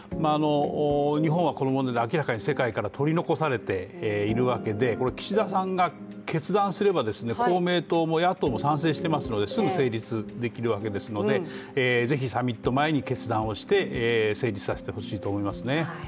日本はこの問題で、明らかに世界から取り残されているわけで岸田さんが決断すれば公明党も野党も賛成していますので、すぐ成立できるわけですので、是非サミット前に決断をして、成立させてほしいと思いますね。